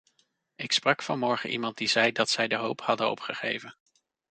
Ik sprak vanmorgen iemand die zei dat zij de hoop hadden opgegeven.